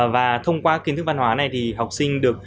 và thông qua kiến thức văn hóa này thì học sinh được